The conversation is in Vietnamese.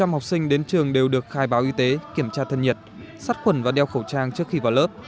một trăm linh học sinh đến trường đều được khai báo y tế kiểm tra thân nhiệt sát khuẩn và đeo khẩu trang trước khi vào lớp